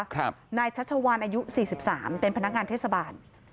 นายชัชวานอายุสี่สิบสามเป็นพนักงานเทศบาล